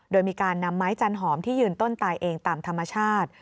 โดยมีการนำไม้จันหอมที่ยืนต้นตายเองตามธรรมชาติ